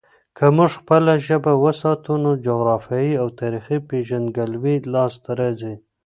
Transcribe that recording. که موږ خپله ژبه وساتو، نو جغرافیايي او تاريخي پیژندګلوي لاسته راځي.